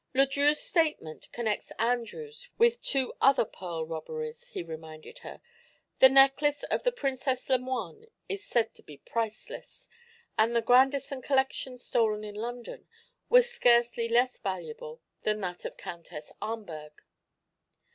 "Le Drieux's statement connects Andrews with two other pearl robberies," he reminded her. "The necklace of the Princess Lemoine is said to be priceless, and the Grandison collection stolen in London was scarcely less valuable than that of Countess Ahmberg."